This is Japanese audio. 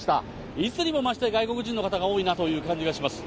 いつにも増して外国人の方が多いなという感じがします。